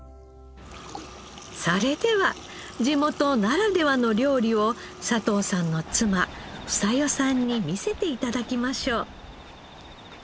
それでは地元ならではの料理を佐藤さんの妻房世さんに見せて頂きましょう。